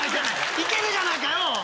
行けるじゃないかよ！